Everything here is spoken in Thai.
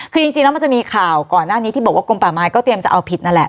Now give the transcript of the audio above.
คือจริงแล้วมันจะมีข่าวก่อนหน้านี้ที่บอกว่ากลมป่าไม้ก็เตรียมจะเอาผิดนั่นแหละ